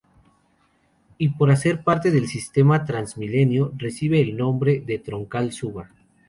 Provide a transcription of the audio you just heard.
Y por hacer parte del sistema TransMilenio recibe el nombre de Troncal Suba.